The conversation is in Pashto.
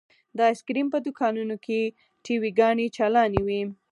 د ايسکريم په دوکانونو کښې ټي وي ګانې چالانې وې.